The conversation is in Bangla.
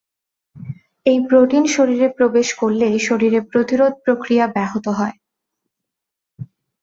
এই প্রোটিন শরীরে প্রবেশ করলেই শরীরে প্রতিরোধ প্রক্রিয়া ব্যাহত হয়।